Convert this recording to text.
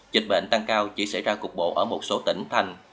dịch bệnh tăng cao chỉ xảy ra cục bộ ở một số tỉnh thành